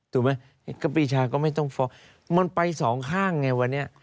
ถูกไหมก็ปีชาก็ไม่ต้องฟ้องมันไปสองข้างไงวันนี้